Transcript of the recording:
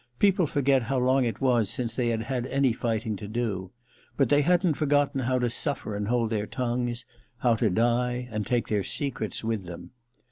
People forget how long it was since they had had any fighting to do. But they hadn't forgotten how to suffer and hold their tongues ; how to die and take their secrets with them.